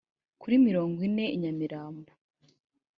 kuri mirongo ine i nyamirambo